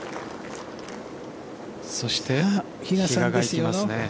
そして比嘉がいきますね。